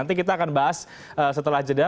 nanti kita akan bahas setelah jeda